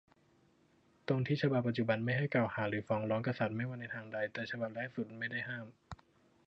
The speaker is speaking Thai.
ตรงที่ฉบับปัจจุบันห้ามไม่ให้กล่าวหาหรือฟ้องร้องกษัตริย์ไม่ว่าในทางใด แต่ฉบับแรกสุดไม่ได้ห้าม